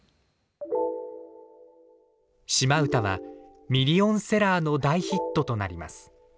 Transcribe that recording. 「島唄」はミリオンセラーの大ヒットとなります。